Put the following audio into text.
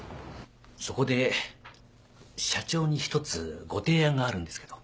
そこで社長に一つご提案があるんですけど。